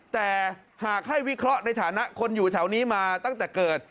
แต่หากให้วิเคราะห์ในฐานะคนอยู่แถวนี้มาตั้งแต่เกิด